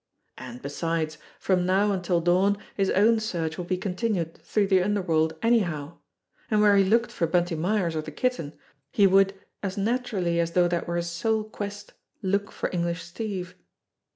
And, besides, from now until dawn his own search would be continued through the underworld anyhow; and where he looked for Bunty Myers or the Kitten, he would, as naturally as though that were his sole quest, look for English Steve.